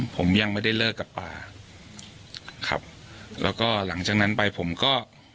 ผมยังไม่ได้เลิกกับป่าครับแล้วก็หลังจากนั้นไปผมก็